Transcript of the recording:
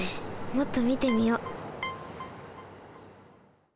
もっとみてみよう。